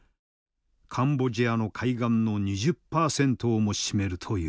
カンボジアの海岸の２０％をも占めるという。